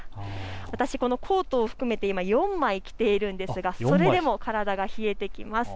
私このコートを含めて今４枚着ているんですがそれでも体が冷えてきています。